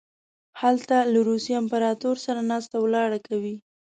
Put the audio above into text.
هلته له روسیې امپراطور سره ناسته ولاړه کوي.